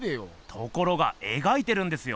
ところが描いてるんですよ。